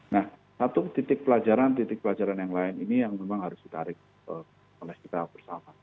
nah satu titik pelajaran titik pelajaran yang lain ini yang memang harus ditarik oleh kita bersama